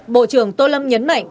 bộ trưởng tô lâm nhấn mạnh